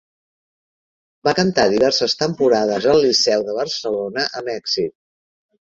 Va cantar diverses temporades al Liceu de Barcelona amb èxit.